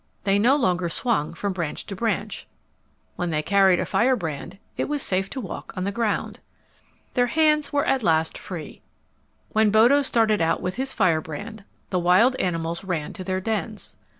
They no longer swung from branch to branch. When they carried a firebrand, it was safe to walk on the ground. Their hands were at last free. When Bodo started out with his firebrand the wild animals ran to their dens.